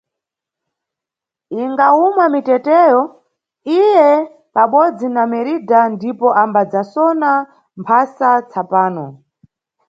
Ingawuma miteteyo, iye pabodzi na Meridha ndipo ambadzasona mphasa tsapano.